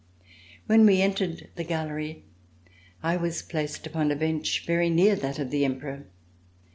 When we entered the gallery, I was placed upon a bench very near that of the Emperor.